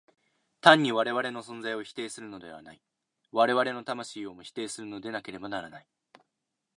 単に我々の存在を否定するのではない、我々の魂をも否定するのでなければならない。